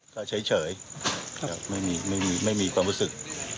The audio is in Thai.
ก็เฉยไม่มีความรู้สึก